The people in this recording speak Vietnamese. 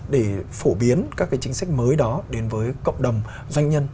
để phổ biến các cái chính sách mới đó đến với cộng đồng doanh nhân